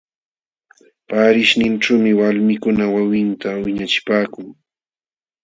Paarishninćhuumi walmikuna wawinta wiñachipaakun.